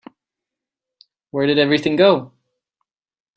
Where did everything go?